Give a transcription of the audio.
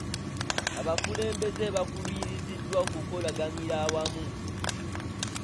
Abakulembeze baakubiriziddwa okukolaganira awamu.